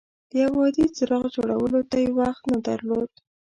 د یو عادي څراغ جوړولو ته یې وخت نه درلود.